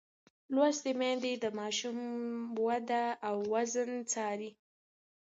لوستې میندې د ماشوم وده او وزن څاري.